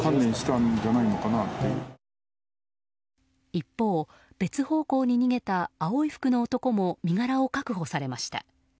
一方、別方向に逃げた青い服の男も身柄を確保されました。